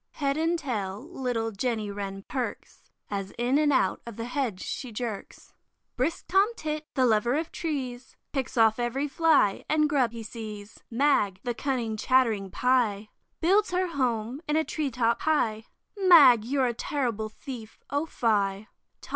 Head and tail little Jenny Wren perks, As in and out of the hedge she jerks. Brisk Tom Tit, the lover of trees, Picks off every fly and grub he sees. Mag, the cunning chattering Pie, Builds her home in a tree top high, Mag, you're a terrible thief, O fie!